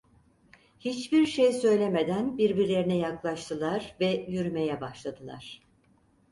Hiçbir şey söylemeden birbirlerine yaklaştılar ve yürümeye başladılar.